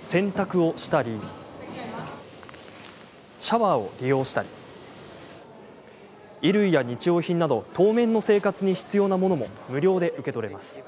洗濯をしたりシャワーを利用したり衣類や日用品など当面の生活に必要なものも無料で受け取れます。